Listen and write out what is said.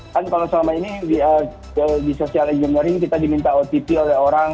kan kalau selama ini di sosial media ini kita diminta otp oleh orang